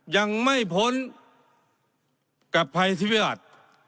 ยังไม่ผลกับภัยพิบัติ